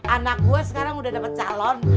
anak gue sekarang udah dapat calon